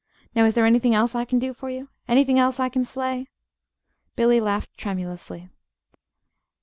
Now is there anything else I can do for you? Anything else I can slay?" Billy laughed tremulously.